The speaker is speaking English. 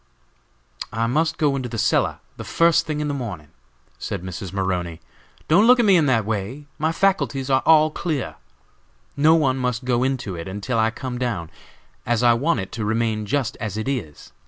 ] "I must go into the cellar the first thing in the morning," said Mrs. Maroney. "Don't look at me in that way; my faculties are all clear. No one must go into it until I come down, as I want it to remain just as it is.